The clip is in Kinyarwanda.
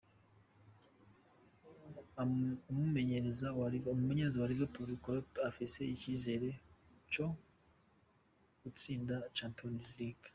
Umumenyereza wa Liverpool Klopp afise icizere co gutsinda Champions League.